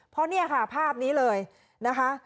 เพราะเนี่ยค่ะภาพนี้เลยนะคะ